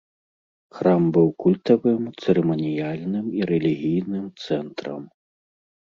Храм быў культавым, цырыманіяльным і рэлігійным цэнтрам.